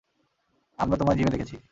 আমরা তোমায় জিমে দেখেছি।